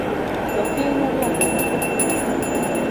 Jopiny oluongo bura